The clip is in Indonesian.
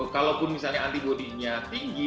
kalaupun misalnya antibody nya tinggi